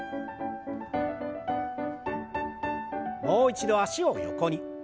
もう一度脚を横に。